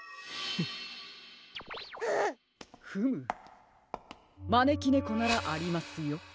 フムまねきねこならありますよ。